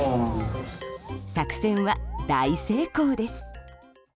作戦は大成功です。